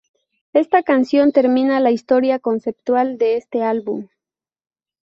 Esta canción termina la historia conceptual de este álbum.